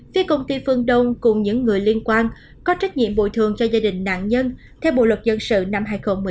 phía công ty phương đông cùng những người liên quan có trách nhiệm bồi thường cho gia đình nạn nhân theo bộ luật dân sự năm hai nghìn một mươi năm